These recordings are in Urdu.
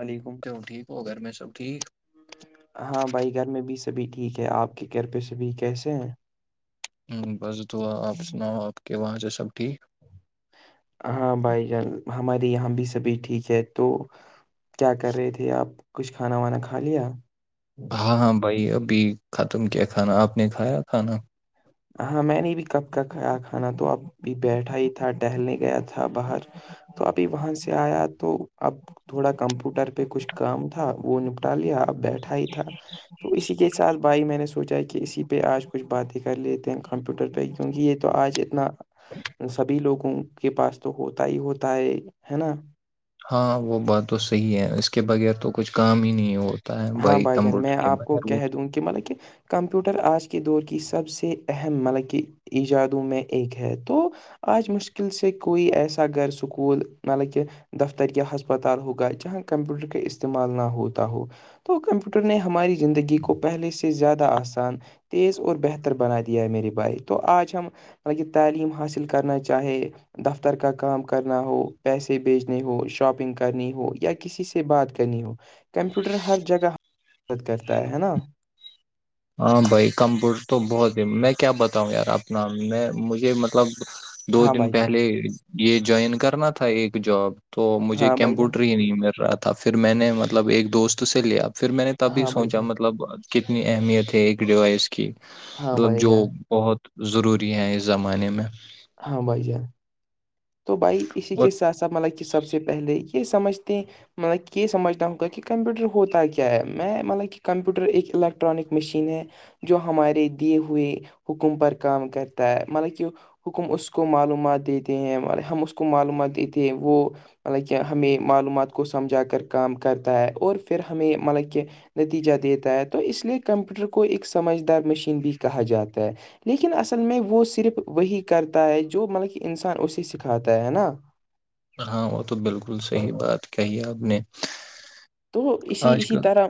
وعلیکم کیوں ٹھیک ہو گھر میں سب ٹھیک ہاں بھائی گھر میں بھی سبھی ٹھیک ہے آپ کے گھر پہ سبھی کیسے ہیں بس دعا آپ سناؤ آپ کے وہاں سے ہے سب ٹھیک ہاں بھائی جان ہمارے یہاں بھی سبھی ٹھیک ہے تو کیا کر رہے تھے آپ کچھ کھانا وانا کھا لیا ہاں ہاں بھائی ابھی ختم کیا کھانا آپ نے کھایا کھانا ہاں میں نے بھی کب کا کھایا کھانا تو اب بھی بیٹھا ہی تھا ٹہلنے گیا تھا باہر تو ابھی وہاں سے آیا تو اب تھوڑا کمپیوٹر پہ کچھ کام تھا وہ نپٹا لیا ا بیٹھا ہی تھا تو اسی کے ساتھ بھائی میں نے سوچا کہ اسی پہ آج کچھ باتیں کر لیتے ہیں کمپیوٹر پہ کیونکہ یہ تو آج اتنا سبھی لوگوں کے پاس تو ہوتا ہی ہوتا ہے نا ہاں وہ بات تو صحیح ہے اس کے بغیر تو کچھ کام ہی نہیں ہو ہاں بھائی جان میں آپ کو کہہ دوں کہ مطلب کہ کمپیوٹر آج کے دور کی سب سے اہم مطلب کہ ایجادوں میں ایک ہے تو آج مشکل سے کوئی ایسا گھر سکول مطالب کہہ دفتر یا ہسپتال ہوگا جہاں کمپیوٹر کا استعمال نہ ہوتا ہو تو کمپیوٹر نے ہماری زندگی کو پہلے سے زیادہ آسان تیز اور بہتر بنا دیا ہے میرے بھائی تو آج ہم مطلب کہ تعلیم حاصل کرنا چاہے دفتر کا کام کرنا ہو پیسے بھیجنے ہو شاپنگ کرنی ہو یا کسی سے بات کرنی ہو کمپیوٹر ہر جگہ [unintelligible] مد کرتا ہے ہے نا ہاں بھائی کمپیوٹر تو بہت ہی میں کیا بتاؤں یار اپنا میں مجھے مطلب دو ہاں دن بھائی جان پہلے یہ جوائن کرنا تھا ایک جاب تو مجھے ہاں بھائی جان کمپیوٹر ہی نہیں مل رہا تھا پھر میں نے مطلب ایک دوست سے لیا پھر میں نے تبھی ہاں بھائی سوچا جان مطلب کتنی اہمیت ہے ایک ڈیوائس کی ہاں مطلب بھائی جو جان بہت ضروری ہیں اس زمانے میں ہاں بھائی جان تو بھائی اسی اور کے ساتھ ساتھ مطلب کہ سب سے پہلے یہ سمجھتے ہیں مطلب یہ سمجھنا ہوگا کہ کمپیوٹر ہوتا کیا ہے میں مطلب کہ کمپیوٹر ایک الیکٹرانک مشین ہے جو ہمارے دیے ہوئے حکم پر کام کرتا ہے مطلب کہ حکم اس کو معلومات دیتے ہیں ہم اس کو معلومات دیتے ہیں وہ مطلب کہ ہمیں معلومات کو سمجھا کر کام کرتا ہے اور پھر ہمیں مطلب کہ نتیجہ دیتا ہے تو اس لیے کمپیوٹر کو ایک سمجھدار مشین بھی کہا جاتا ہے لیکن اصل میں وہ صرف وہی کرتا ہے جو مطلب کہ انسان اسے سکھاتا ہے نا ہاں وہ تو بالکل صحیح بات کہی آپ نے تو اسی آج اسی کل طرح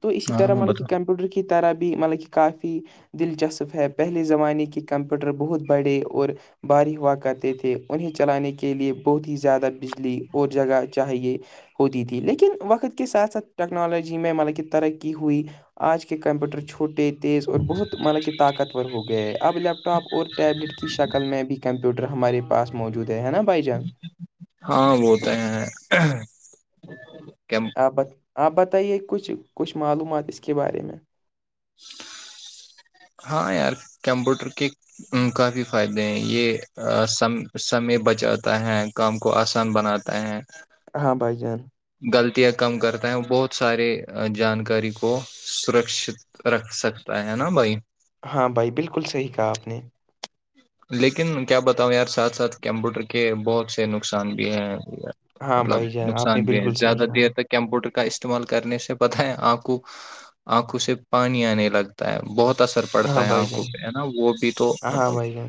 تو اسی ہاں طرح ہاں مطلب کہ بتاؤ ک ڈر کی طرح بھی مطلب کہ کافی دلچسپ ہے پہلے زمانے کے کمپیوٹر بہت بڑے اور باری ہوا کرتے تھے انہیں چلانے کے لیے بہت ہی زیادہ بجلی اور جگہ چاہیے ہوتی تھی لیکن وقت کے ساتھ ساتھ ٹیکنالوجی میں مطلب کہ ترقی ہوئی آج کے کمپیوٹر چھوٹے تیز اور بہت مطلب کہ طاقتور ہو گئے ہے اب لیپٹا ٹاپ اور ٹیبلیٹ کی شکل میں بھی کمپیوٹر ہمارے پاس موجود ہے نا بھائی جان ہاں وہ تو ہے آپ بتائیے کچھ کچھ معلومات اس کے بارے میں ہاں یار کمپیوٹر کے کافی فائدے ہیں یہ سم سمے بچاتا ہے کام کو آسان بناتا ہیں ہہاں بھائی جان غلطیاں کم کرتا ہے وہ بہت سارے جانکاری کو سرکت رکھ سکتا ہے نا بھائی ہاں بھائی بالکل صحیح کہا آپ نے لیکن کیا بتاؤں یار ساتھ ساتھ کمپیوٹر کے بہت سے نقصان بھی ہیں یار ہاں مطلب بھائی جان آپ نقصان نے بھی ہے بالکل صحیح زیادہ کہا دیر تک کمپیوٹر کا استعمال کرنے سے پتاہ ہے آنکھ کو آنکھوں سے پانی آنے لگتا ہے بہت اثر ہاں پڑتا ہے بھائی آنکھوں جان پہ ہے نا وہ بھی تو ہاں مطلب بھائی جان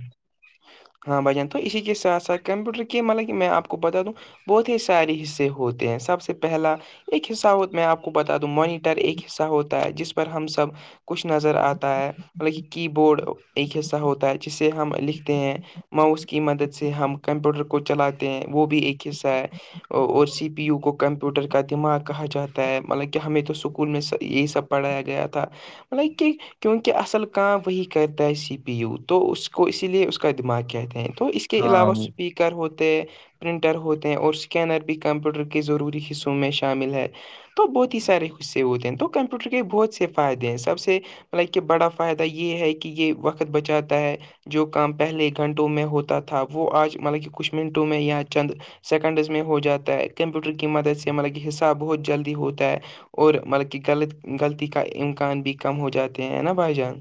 ہاں بھائی جان تو اسی کے ساتھ ساتھ کمپیوٹر کی مطلب کہ میں آپ کو بتا دوں بہت ہی ساری حصے ہوتے ہیں سب سے پہلا ایک حصہ میں آپ کو بتا دوں موانیٹر ایک حصہ ہوتا ہے جس پر ہم سب کچھ نظر آتا ہے مطلب کہ کی بورڈ ایک حصہ ہوتا ہے جسے ہم لکھتے ہیں ماؤس کی مدد سے ہم کمپیوٹر کو چلاتے ہیں وہ بھی ایک حصہ ہے اور سی پی یو کو کمپیوٹر کا دماغ کہا جاتا ہے مطلب کہ ہمیں تو اسکول میں یہی سب پڑھایا گیا تھا مطلب کہ کیونکہ کہ اصل کام وہی کرتا ہے سی پی یو تو اس کو اسی لیے اس کا دماغ کہتے ہیں تو اس کے ہاں علاوہ وہ- سپیکر ر ہوتے پرنٹر ہوتے اور اسکینر بھی کمپیوٹر کے ضروری حصوں میں شامل ہے تو بہت ہی سارے غصے ہوتے ہیں تو کمپیوٹر کے بہت سے فائدے ہیں سب سے لائک کہ بڑا فائدہ یہ ہے کہ یہ وقت بچاتا ہے جو کام پہلے گھنٹوں میں ہوتا تھا وہ آج مطلب کہ کچھ منٹوں میں یا چند سیکنڈز میں ہو جاتا ہے کمپیوٹر کی مدد سے مطلب کہ حصہ بہت جلدی ہوتا ہے اور مطلب کہ غلط غلطی کا امکان بھی کم ہو جاتے ہیں نا بھائی جان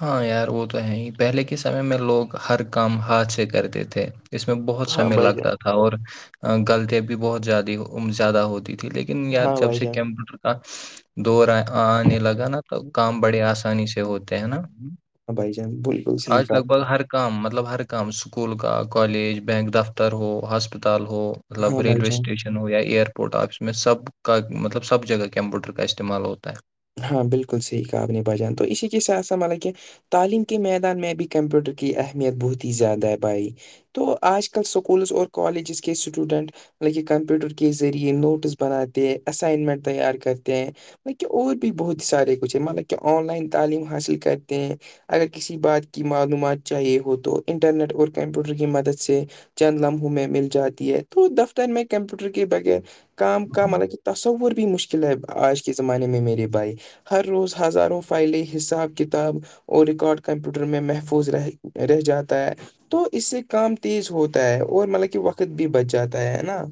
ہاں یار وہ تو ہے ہی پہلے کے سمے میں لوگ ہر کام ہاتھ سے کرتے تھے اس میں بہت ہاں سمے بھائی جان لگتا تھا اور غلطیاں بھی بہت زیادی زیادہ ہوتی ت لیکن یار ہاں جب بھائی سے جان کمپیوٹر کا دور آنے لگا نا تو تو کام بڑے آسانی سے ہوتے ہے نا ہاں بھائی جان بالکل صحیح آج کہا لگ آپ بھگ نے۔ ہر کام مطلب ہر کام اسکول کا کالج بینک دفتر ہو ہسپتال ہو مطل ہاں بھائی رلوے جان اسٹیشن ائرپورٹ آفس میں سب کا مطلب سب جگہ کمپیوٹر کا استعمال ہوتاائ ہاں بالکل صحیحع نہیںنی بجان تو اسی کے ساتھ سھ مطب کہ تعلیم کے میدان میں بھی کمپیوٹر کی اہمیت بہت ہی زیادہ ہے بھائی تو آج کل اسکولز اور کالجز کے اسٹوڈنٹ لن کمپیوٹر کے ذریعے نوٹس بناتے ہیں اسائنمنٹ تیار کرتے ہیں ل اور بھی بہت سارے کچھ ہے مطلب کہ آن لائن تعلیم حاصل کرتے ہیں اگر کسی بات کی معلومات چاہیے ہو تو انٹرنیٹ اور کمپیوٹر کی مدد سے چند لمحوں میں مل جاتی ہے تو دفتر میں کمپیوٹر کے بغیر کام کا ہے مطلب کہ تصور بھی مشکل ہے آج کے زمانے میں میرے بھائی ہر روز ہزاروں فائلیں حساب کتاب اور ریکارڈ کمپیوٹر میں محفوظ رہ رہ جاتا ہے تو اس سے کام تیز ہوتا ہے اور مطلب کہ وقت بھی بچ جاتا ہے نا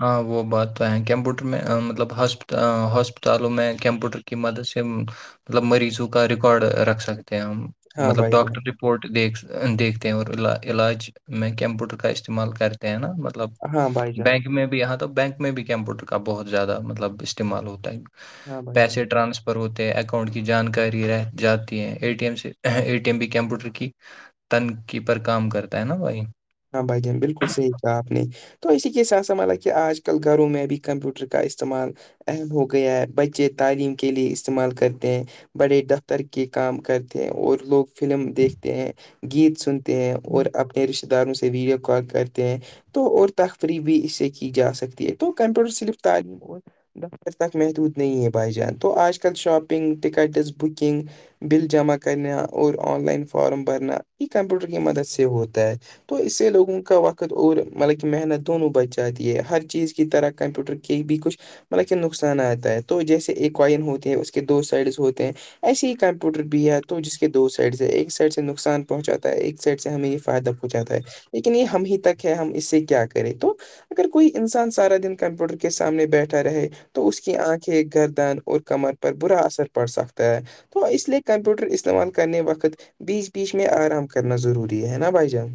ہاں وہ بات تو ہے کیمپوٹر میں مطلب ہاسپ ہاسپتالوں میں کمپوٹر کی مدد سے مطلب مریضوں کا ریکارڈ رکھ سکتے ہیں ہم ہاں مطلب بھائی جان ڈاکٹر پورٹ دیکھ دیکھتے ہیں اور علاج میں کمپیوٹر کا استعمال کرتے ہیں نا مطلب ہاں بھائی جان بینک میں بھی یہاں تو بینک میں بھی کمپیوٹر کا بہت زیادہ مطلب استعمال ہوتا ہے ہاں بھائی پیسے جان ٹرانسفر ہوتے ہیں اکاؤنٹ کی جانکاری رہ ج ا ٹی ایم سے ا ٹی ایم بھی کمپیوٹر کی تنقی پر کام کرتا ہے نا بھائی ہاں بھائی جان بالکل صحی کہ آپ نے تو اسی کے ساتانھ سنبھالا کہ آج کل گھروں میں بھی کمپیوٹر کا استعمال اہم ہو گیا ہے بچے تعلیم کے لیے استعمال کرتے ہیں بڑے دفتر کے کام کرتے ہیں اور لوگ فلم دیکھتے ہیں گیت سنتے ہیں اور اپنے رشتتے داروں سے ویڈیو کال کرتے ہیں تو اور تقریح بھی اس سے کی جا سکتی ہے تو کمپیوٹر صرف تعلیم اور دج تک محدود نہیں ہے بھائی جان تو آج کل شاپنگ کٹس بکنگ بل جمع کرنا اور آن لائن فارم بھرنا یہ کمپیوٹر کی مدد سے ہوتا ہے تو اس سے لوگوں کا وقت اور مطلب کہ محنت دونوں بچ جاتی ہے ہر چیز کی طرح کمپیوٹر کہ بھی کچھ مطلب کہ نقصان آتا ہے تو جیسے ایک کوئن ہوتے ہیں اس کے دو سائڈز ہوتے ہیں ایسے ہی کمپیوٹر بھی ہے تو جس کے دو سائڈ سے ایک سائڈ سے نقصان پہنچاتا ہے ایک سائڈ سے ہمیں یہ فائدہہ چاتا ہے لیکن یہ ہم ہی تک ہے ہم اس سے کیا کریں تو اگر کوئی انسان سارا دن کمپیوٹر کے سامنے بیٹھا رہے تو اس کی آنکھیں گردن اور کمر پر برا اثر پڑ سکتا ہے تو اس لیے کمپیوٹر استعمال کرنے وقت بیچ بیچ میں آرام کرنا ضروری ہے نا بھائی جان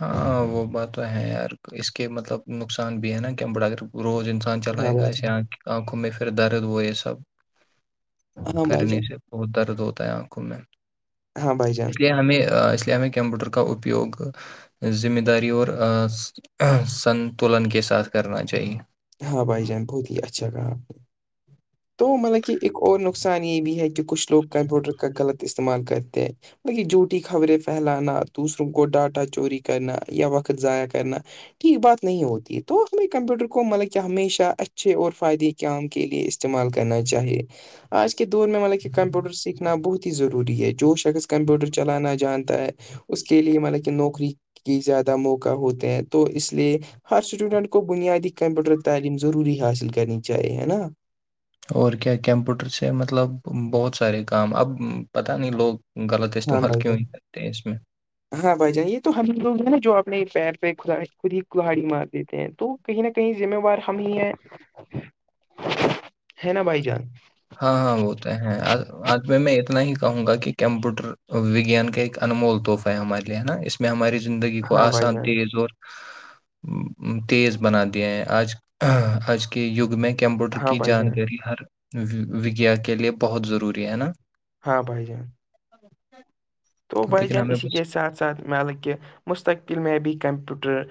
ہاں وہ بات تو ہے یار اس کے مطلب نقصان بھی ہے نا کہ بڑا ا روز ان ہاں چلائے گا بھائی جان آنکھوں میں پھر درد ہو یہ سب ہاں بھائی کرنے جان سے بہت درد ہوتا ہے آنکھوں میں ہاں بھائی جان اس لیے ہمیں اس لیے ہمیں کمپیوٹر کا اپپیوگ ذمہ داری اور سنتولن کے ساتھ کرنا چاہیے ہاں بھائی جان بہت ہی اچھا کہا آپ نے تو مطلب کہ ایک اور نقصان یہ بھی ہے کہ کچھ لوگ کمپیوٹر غلط استعمال کرتے ہیں مطلب یہ جھوٹی خبریں پھیلانا دوسروں کو ڈاٹا چوری کرنا یا وقت ضائع کرنا بات نہیں ہوتی تو میں کمپیوٹر کو مطلب کہ ہمیشہ اچھے اور فائدے کام کے لیے استعمال کرنا چاہیے آج کے دور میں لے کہ کمپوٹر سیکھ نا بہت ہی ضروری ہے جو شخص کمپیوٹر چلانا جانتا ہے اس کے لیے مطلب کہ نوکری کہ زیادہ موقع ہوتے ہیں تو اس لیے ہر اسٹوڈنٹ کو بنیادی کمپیوٹر تعلیم ضروری حاصل کرنی چاہیے ہے نا اور کیا کمپیوٹر سے مطلب بہت سارے کام اب پت نہیں لوگ غلط ہاں استعمال بھائی جان۔ کیوں نہیں کرتے ہیں اس میں ہاں بھائی جان یہ تو ہم لوگ ہیں نا جو اپنے پیر پہ خود ہی کہاڑی مار دیتے ہیں تو کہیں نہ کہیں ذمہوار ہم ہی ہیں [inaudible] ہے نا بھائی جان ہاں ہاں وہ تو ہے آج میں میں اتنا ہی کہوں گا کہ کمپیوٹر وجان کا ایک انمول توحفہ ہمارے لے ہے نا اس میں ہماری زندگی کو ہاں بھائی آسان جان تیز اور تیز بنا دیا ہیں آج آج کے یگ میں کمپیوٹر ہاں کی بھائی جان جانکاری ہر وگیا کے لیے بہت ضروری ہے نا ہاں بھائی جان ج تو بھائی جان اسی کے ساتھ ساتھ میں الالکہ مستقبل میں بھی کمپیوٹر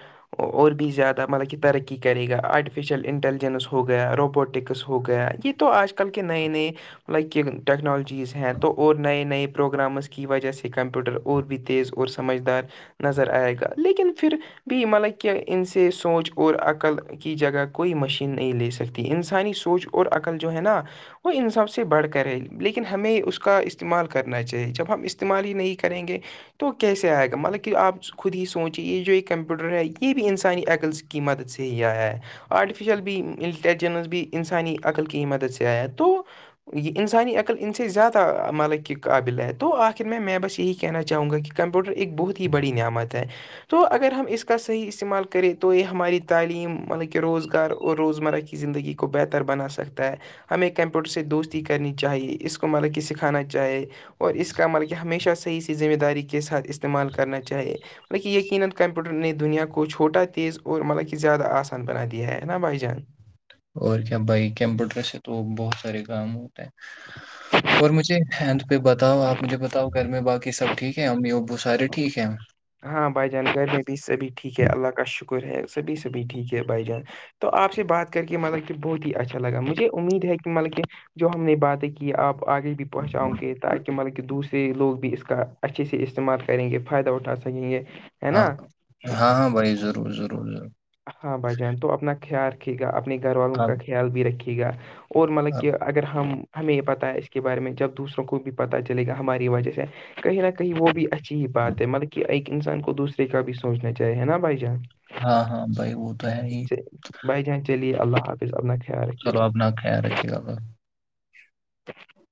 اور بھی زیادہ مطلب کہ ترقی کرے گا آرٹیفیشیل انٹیلیجنس ہو گیا روبوٹکس ہو گیا یہ تو آج کل کے نئے نئے لائک یہ ٹیکنالوجی چیز ہیں تو اور نئے نئے پروگرامس کی وجہ سے کمپیوٹر اور بھی تیز اور سمجھدار نظر آئے گا لیکن پھر بھی مطلب کہ ان سے سوچ اور عقل کی جگہ کوئی مشین نہیں لے سکتی انسانی سوچ اور عقل جو ہے نا وہ ان سب سے بڑھ کرے لیکن ہمیں اس کا استعمال کرنا چاہیے جب ہم استعمال ہی نہیں کریں گے تو کیسے آئے گا مطلب کہ آپ خود ہی سوچے یہ جو یہ کمپیوٹر ہے یہ بھی انسانی ایکلس قیمت صحی ہے آرٹیفیشل بھی انٹیلیجنس بھی انسانی عقل کی مدد سے آیا تو یہ انسانی عقل ان سے زیادہ مطلب کہ قابل ہے تو آ لن میں بس یہی کہنا چاہوں گا کہ کمپیوٹر ایک بہت ہی بڑی نعمت ہے تو اگر ہم اس کا صحیح استعمال کریں تو یہ ہماری تعلیم مطلب کہ روزگار اور روزمرہ کی زندگی کو بہتر بنا سکتا ہے ہمیں کمپیوٹر سے دوستی کرنی چاہیے اس کو مطلب کہ سکھانا چاہے اور اس کے اس کا مل کہہ ہمیشہ صحیحی ذمہ داری کے ساتھ استعمال کرنا چیے [inaudible] اور کیا بھائی کمپیوٹر سے تو بہت سارے کام ہوتے ہیں اور مجھے ہینت پہ بتاؤ آپ مجھے بتاؤ گھر میں باقی سب ٹھیک ہے امی ابو سارے ٹھیک ہیں ہاں بھائی جان گھر میں بھی سبھی ٹھیک ہے اللہ کا شکر ہے سبھی سبھی ٹھیک ہے بھائی جان تو آپ سے بات کر کے مطلب کہ بہت ہی اچھا لگا مجھے امید ہے کہ مطلب کہ جو ہم نے باتیں کہ آپ آگے بھی پہنچاؤں گے تاکہ مطلب کہ دوسر سے لوگ بھی اس کا اچھے سے استعمال کریں گے فائدہ اٹھا سکیں گے ہے ہاں نا ہاں ہاں بھائی ضرور ضرور ضرور ہاں بھائی جان تو اپنا خیال رکھیے گا اپنے گھر والوں آپ کا خیال بھی رکے گا اور مطلب کہ آپ- اگر ہم ہمیں یہ پتا ہے اس کے بارے میں جب دوسروں کو بھی پتا چلے گا ہماری وجہ سے کہیں نہ کہیں وہ بھی اچی بات ہے مطلب کہ ایک انسان کو دوسرے کا بھی سوچنا چاہے نا بھائی جان ہاں ہاں بھائی وہ تو ہے ہی بائی جان چلیے اللہ حافظ اپنا خیال رکھیے گا نہ خیال رکھے [unintelligible] [unintelligible]